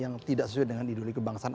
yang tidak sesuai dengan ideologi kebangsaan